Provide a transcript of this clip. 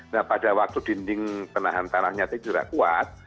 nah pada waktu dinding penahan tanahnya tadi tidak kuat